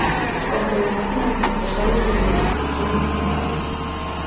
Confederación de empresarios de Lugo, Sede Central.